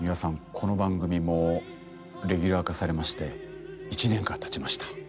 この番組もレギュラー化されまして１年がたちました。